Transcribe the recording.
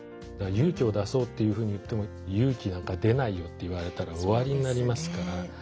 勇気を出そうっていうふうに言っても勇気なんか出ないよって言われたら終わりになりますから。